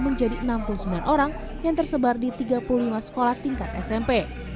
menjadi enam puluh sembilan orang yang tersebar di tiga puluh lima sekolah tingkat smp